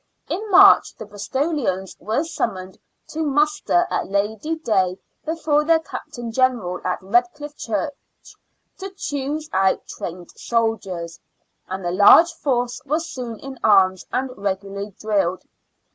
In March the Bristolians were summoned to muster at Lady Day before their captain general at Redcliff Church " to choose out trained soldiers," and a large force was soon in arms and regularly drilled.